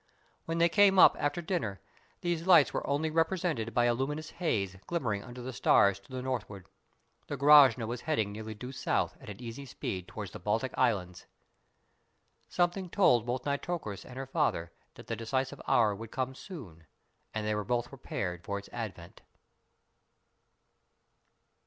When they came up after dinner, these lights were only represented by a luminous haze glimmering under the stars to the northward. The Grashna was heading nearly due south at an easy speed towards the Baltic Islands. Something told both Nitocris and her father that the decisive hour would come soon, and they were both prepared for its advent.